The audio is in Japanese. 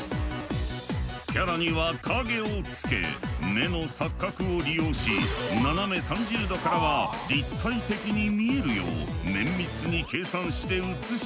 キャラには影をつけ目の錯覚を利用し斜め３０度からは立体的に見えるよう綿密に計算して映し出している。